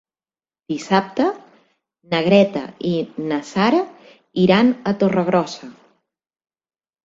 Dissabte na Greta i na Sara iran a Torregrossa.